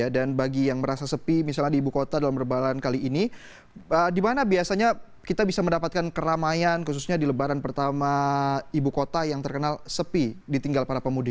di mana biasanya kita bisa mendapatkan keramaian khususnya di lebaran pertama ibu kota yang terkenal sepi ditinggal para pemudi